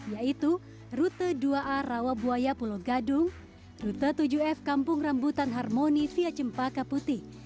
yaitu rute dua a rawabuaya pulau gadung rute tujuh f kampung rambutan harmoni via cempaka putih